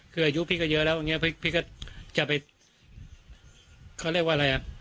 คืออายุพี่ก็เยอะแล้วอย่างนี้พี่ก็จะไปเขาเรียกว่าอะไรอ่ะ